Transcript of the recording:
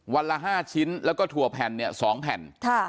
ละ๕ชิ้นแล้วก็ถั่วแผ่นเนี่ย๒แผ่น